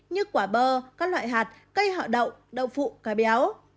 như quả bơ các loại hạt cây họa đậu đậu phụ cá béo